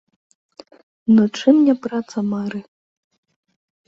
Ну, чым не праца мары.